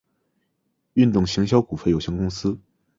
运动行销股份有限公司